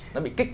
nó bị kích